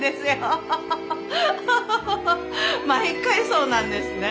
毎回そうなんですね。